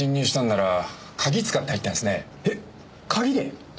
えっ！？鍵で！